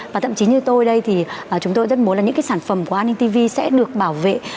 và thậm chí như tôi đây thì chúng tôi rất muốn là những cái sản phẩm của anintv sẽ được bảo vệ